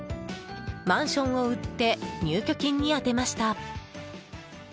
マンションを売って入居金に充てました。